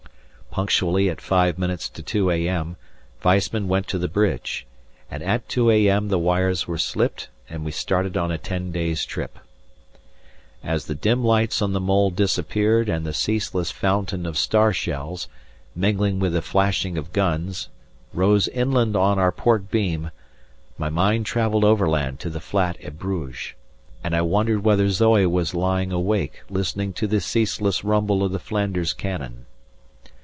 Punctually at five minutes to 2 a.m. Weissman went to the bridge, and at 2 a.m. the wires were slipped and we started on a ten days' trip. As the dim lights on the mole disappeared and the ceaseless fountain of star shells, mingling with the flashing of guns, rose inland on our port beam my mind travelled overland to the flat at Bruges, and I wondered whether Zoe was lying awake listening to the ceaseless rumble of the Flanders cannon.